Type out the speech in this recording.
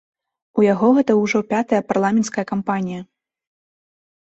У яго гэта ўжо пятая парламенцкая кампанія!